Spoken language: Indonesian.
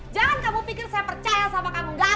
jangan kamu pikir saya percaya sama kamu nggak akan